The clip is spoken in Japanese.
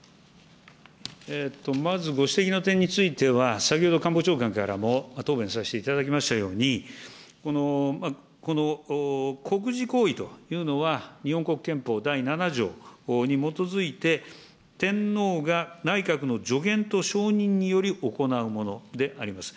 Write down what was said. まずご指摘の点については、先ほど官房長官からも答弁させていただきましたように、この国事行為というのは、日本国憲法第７条に基づいて、天皇が内閣の助言と承認により行うものであります。